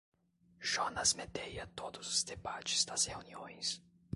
Jonas medeia todos os debates das reuniões.